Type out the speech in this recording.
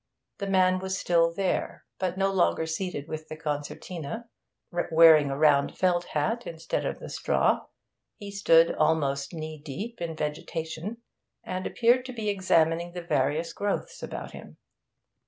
The man was still there, but no longer seated with the concertina; wearing a round felt hat instead of the straw, he stood almost knee deep in vegetation, and appeared to be examining the various growths about him.